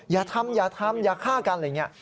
อย่าทำอย่าทำอย่าฆ่ากันอะไรอย่างนี้